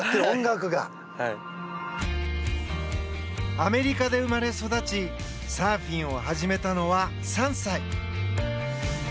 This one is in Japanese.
アメリカで生まれ育ちサーフィンを始めたのは３歳。